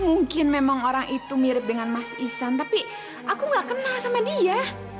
mungkin memang orang itu mirip dengan mas isan tapi aku nggak kenal sama dia